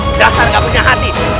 berasa gak punya hati